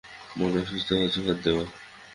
মানে, অসুস্থতার অজুহাত দেওয়া?